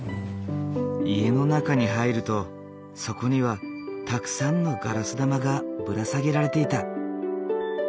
家の中に入るとそこにはたくさんのガラス玉がぶら下げられていた。